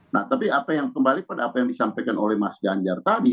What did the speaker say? nah tapi apa yang kembali pada apa yang disampaikan oleh mas ganjar tadi